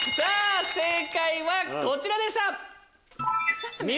正解はこちらでした。